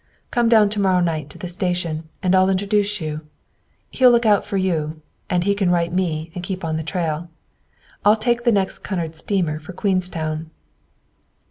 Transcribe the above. Come down to morrow night to the station, and I'll introduce you. He'll look out for you, and he can write me and keep on the trail. I take the next Cunard steamer for Queenstown."